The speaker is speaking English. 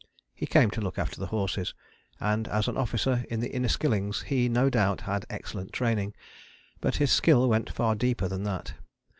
He came to look after the horses, and as an officer in the Inniskillings he, no doubt, had excellent training. But his skill went far deeper than that.